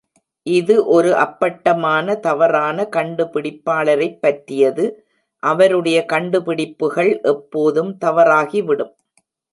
இது ஒரு அப்பட்டமான தவறான கண்டுபிடிப்பாளரைப் பற்றியது, அவருடைய கண்டுபிடிப்புகள் எப்போதும் தவறாகிவிடும்.